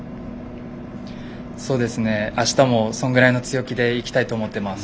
あしたもそのぐらいの強気で行きたいと思っています。